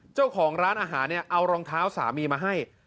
เจ้าของร้านอาหารเนี่ยเอารองเท้าสามีมาให้